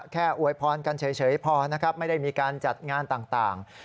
อวยพรกันเฉยพอนะครับไม่ได้มีการจัดงานต่าง